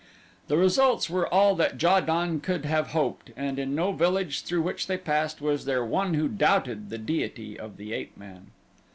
The results were all that Ja don could have hoped and in no village through which they passed was there one who doubted the deity of the ape man.